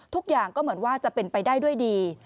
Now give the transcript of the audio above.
ทุกอย่างก็เหมือนว่าจะเป็นไปได้ด้วยดี